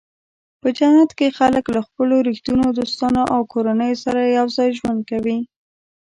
په جنت کې خلک له خپلو رښتینو دوستانو او کورنیو سره یوځای ژوند کوي.